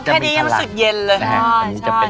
ความแค่นี้ยังรู้สึกเย็น